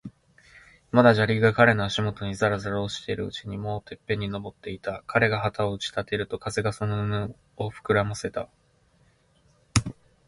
まだ砂利が彼の足もとにざらざら落ちているうちに、もうてっぺんに登っていた。彼が旗を打ち立てると、風がその布をふくらませた。